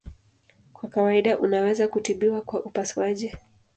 Kwa kawaida unaweza kutibiwa kwa upasuaji.